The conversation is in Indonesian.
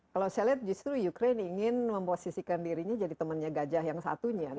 kalau saya lihat justru ukraine ingin memposisikan dirinya jadi temannya gajah yang satunya